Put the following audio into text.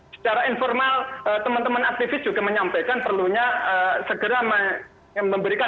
secara informal teman teman aktivis juga menyampaikan perlunya segera memberikan